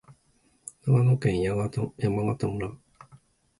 長野県山形村